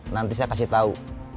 nanti saya kasih tau